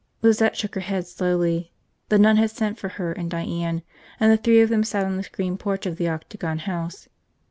Lizette shook her head slowly. The nun had sent for her and Diane, and the three of them sat on the screened porch of the Octagon House.